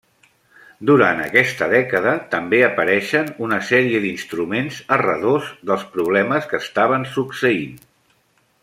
Durant aquesta dècada també apareixen una sèrie d’instruments a redós dels problemes que estaven succeint.